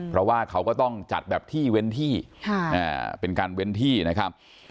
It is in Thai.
เพราะว่าเขาก็ต้องจัดแบบที่เว้นที่เป็นการเว้นที่นะครับ